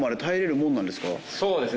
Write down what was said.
そうですね。